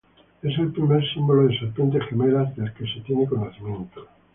Es el primer símbolo de serpientes gemelas del que se tiene conocimiento.